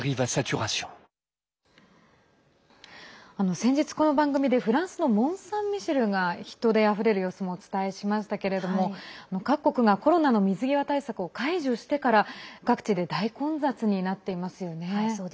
先日、この番組でフランスのモンサンミシェルが人であふれる様子もお伝えしましたけれども各国がコロナの水際対策を解除してから各地で大混雑になっていますよね。